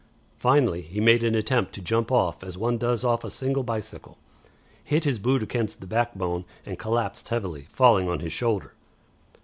Finally, he made an attempt to jump off as one does off a single bicycle, hit his boot against the backbone, and collapsed heavily, falling on his shoulder.